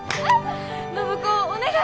暢子お願い！